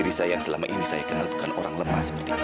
diri saya yang selama ini saya kenal bukan orang lemah seperti ini